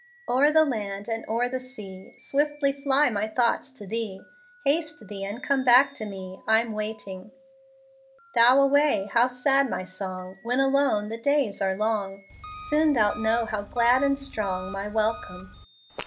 "O'er the land and o'er the sea Swiftly fly my thoughts to thee; Haste thee and come back to me: I'm waiting. "Thou away, how sad my song! When alone, the days are long; Soon thou'lt know how glad and strong My welcome.